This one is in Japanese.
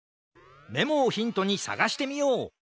メモをヒントにさがしてみよう！